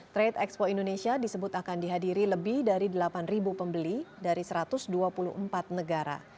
trade expo indonesia disebut akan dihadiri lebih dari delapan pembeli dari satu ratus dua puluh empat negara